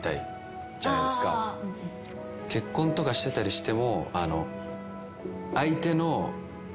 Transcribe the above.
結婚とかしてたりしても。